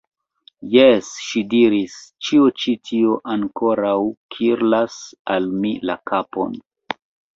Jes, ŝi diris, ĉio ĉi tio ankoraŭ kirlas al mi la kapon.